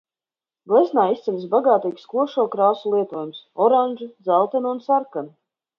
Gleznā izceļas bagātīgs košo krāsu lietojums – oranža, dzeltena un sarkana.